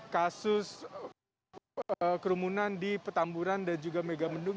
kasus kerumunan di petamburan dan juga megamendung